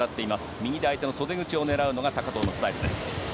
右で相手の袖口を狙うのが高藤のスタイルです。